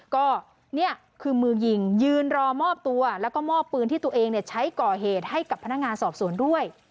ก็นี่คือมือยิงยืนรอมอบตัวแล้วก็มอบปืนที่ตัวเองใช้ก่อเหตุให้กับพนักงานสอบสวนด้วย